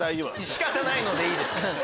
仕方ないのでいいです。